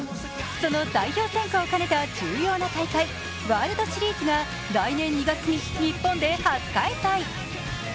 その代表選考を兼ねた重要な大会、ワールドシリーズが来年２月に日本で初開催。